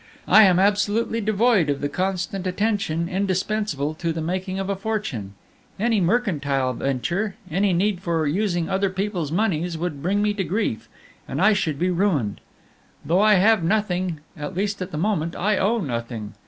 I am absolutely devoid of the constant attention indispensable to the making of a fortune. Any mercantile venture, any need for using other people's money would bring me to grief, and I should be ruined. Though I have nothing, at least at the moment, I owe nothing.